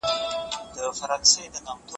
تفسیرونه د ایاتونو په پوهیدو کي مرسته کوي.